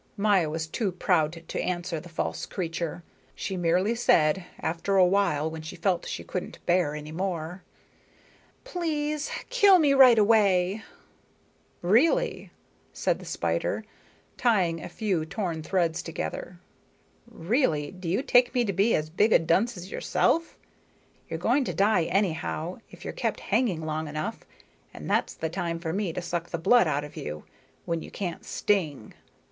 Maya was too proud to answer the false creature. She merely said, after a while when she felt she couldn't bear any more: "Please kill me right away." "Really!" said the spider, tying a few torn threads together. "Really! Do you take me to be as big a dunce as yourself? You're going to die anyhow, if you're kept hanging long enough, and that's the time for me to suck the blood out of you when you can't sting.